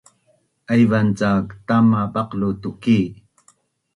Aivan cak tama baqlu tu tuki